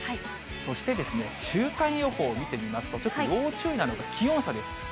そして週間予報見てみますと、ちょっと要注意なのが気温差です。